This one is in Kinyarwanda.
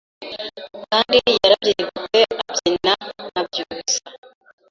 Kandi yarabyirutse abyina nka Byusa.